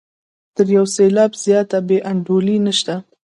تر یو سېلاب زیاته بې انډولي نشته.